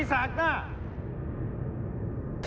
เมื่อวานเราติดกันไว้แล้วสำหรับกรณีของมาตรวน๑๕๗ค่ะ